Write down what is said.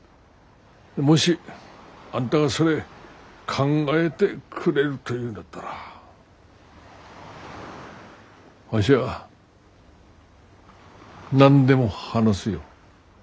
もしあんたがそれ考えてくれるというんだったらわしは何でも話すよ。